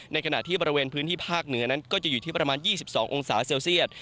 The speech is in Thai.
ในขณะที่บริเวณพื้นที่ภาคเหนือนั้นก็จะอยู่ที่ประมาณ๒๒องศาเซลเซียต